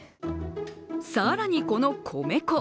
更に、この米粉。